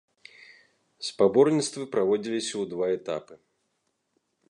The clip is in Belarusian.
Спаборніцтвы праводзіліся ў два этапы.